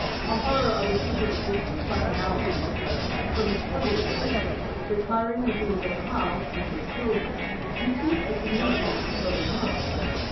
A horror of his future existence shut him out, as it were, from his present one: retiring into his own house, with his children, he ceased to communicate with the living world.